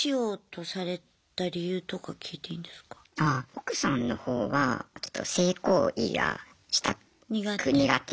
奥さんの方はちょっと性行為がしたく苦手。